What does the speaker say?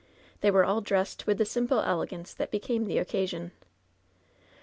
They were all dressed with the simple el^ance that became the occasion.